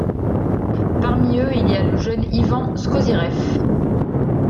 Parmi eux, il y a le jeune Ivan Skosirev.